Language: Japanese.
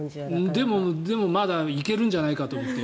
でも、まだいけるんじゃないかと思う。